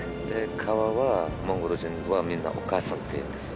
川はモンゴル人はみんなお母さんっていうんですよ